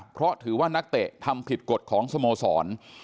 เพราะถือว่านักเตะทำผิดกฎของสโมสร